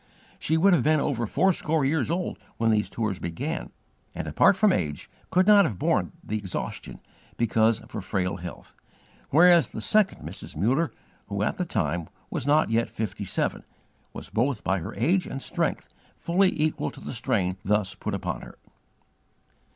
She would have been over fourscore years old when these tours began, and, apart from age, could not have borne the exhaustion, because of her frail health; whereas the second Mrs. Muller, who, at the time, was not yet fifty seven, was both by her age and strength fully equal to the strain thus put upon her.